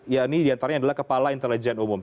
ya ini diantaranya adalah kepala intelijen umum